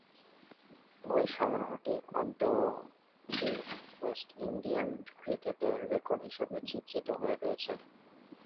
ঐ সংগ্রহটি অদ্যাবধি ওয়েস্ট ইন্ডিয়ান ক্রিকেটে রেকর্ড হিসেবে চিত্রিত হয়ে রয়েছে।